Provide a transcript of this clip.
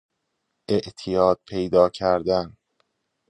اعتیاد پیدا کردن